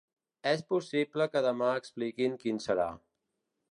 És possible que demà expliquin quin serà.